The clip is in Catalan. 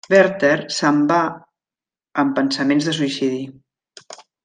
Werther se'n va amb pensaments de suïcidi.